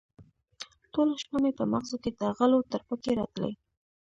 ټوله شپه مې په مغزو کې د غلو ترپکې راتلې.